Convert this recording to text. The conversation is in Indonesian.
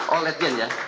oh ledjen ya